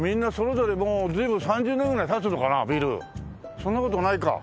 そんな事ないか。